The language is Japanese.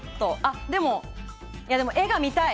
でも絵が見たい。